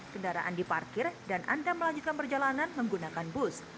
kendaraan diparkir dan anda melanjutkan perjalanan menggunakan bus